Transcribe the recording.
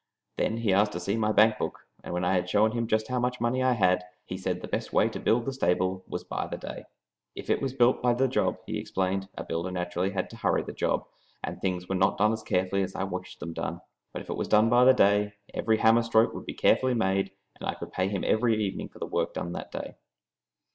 Then he asked to see my bank book, and when I had shown him just how much money I had, he said the best way to build the stable was by the day. If it was built by the job, he explained, a builder naturally had to hurry the job, and things were not done as carefully as I wished them done; but if it was done by the day, every hammer stroke would be carefully made, and I could pay every evening for the work done that day.